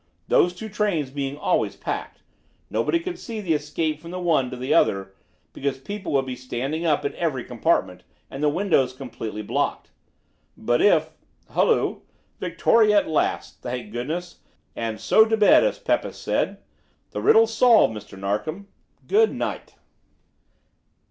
Those two trains being always packed, nobody could see the escape from the one to the other, because people would be standing up in every compartment, and the windows completely blocked. But if Hullo! Victoria at last, thank goodness, 'and so to bed,' as Pepys says. The riddle's solved, Mr. Narkom. Good night!"